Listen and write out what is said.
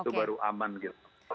itu baru aman gitu